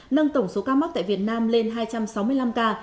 nâng tổng số ca mắc tại việt nam lên hai trăm sáu mươi năm ca